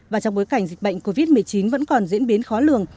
và trong bối cảnh dịch bệnh covid một mươi chín vẫn còn diễn biến khó lường